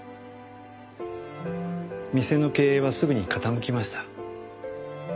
店の経営はすぐに傾きました。